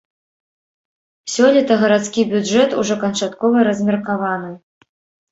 Сёлета гарадскі бюджэт ужо канчаткова размеркаваны.